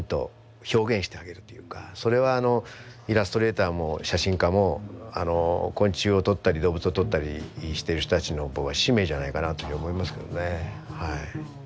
それはイラストレーターも写真家も昆虫をとったり動物をとったりしてる人たちの僕は使命じゃないかなというふうに思いますけどね。